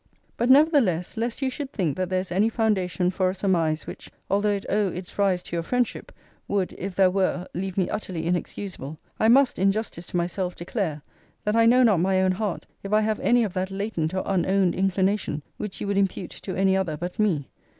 But nevertheless, lest you should think that there is any foundation for a surmise which (although it owe its rise to your friendship) would, if there were, leave me utterly inexcusable, I must, in justice to myself, declare, that I know not my own heart if I have any of that latent or unowned inclination, which you would impute to any other but me.